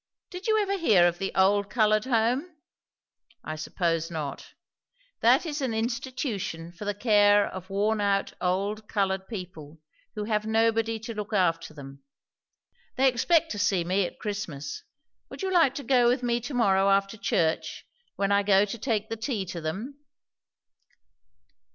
"Did you ever hear of the Old Coloured Home? I suppose not That is an institution for the care of worn out old coloured people, who have nobody to look after them. They expect to see me at Christmas. Would you like to go with me to morrow, after church, when I go to take the tea to them?"